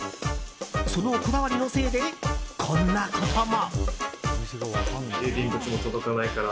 そのこだわりのせいでこんなことも。